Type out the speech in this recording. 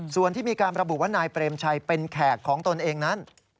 ส่วนที่มีการระบุว่านายเปรมชัยเป็นแขกของตนเองนั้น